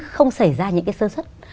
không xảy ra những cái sơ xuất